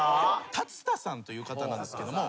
龍田さんという方なんですけども。